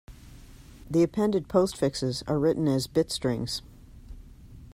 The appended postfixes are written as bit strings.